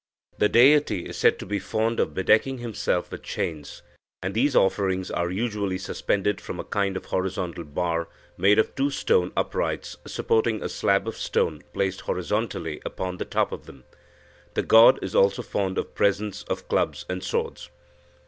The deity is said to be fond of bedecking himself with chains, and these offerings are usually suspended from a kind of horizontal bar made of two stone uprights supporting a slab of stone placed horizontally upon the top of them. The god is also fond of presents of clubs and swords.